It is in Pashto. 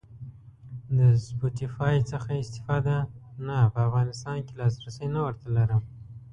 د سپوټیفای څخه استفاده؟ نه په افغانستان کی لاسرسی نه ور ته لرم